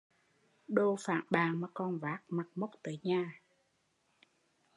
Đồ phản bạn mà còn vác mặt mốc tới nhà